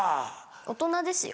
大人ですよ。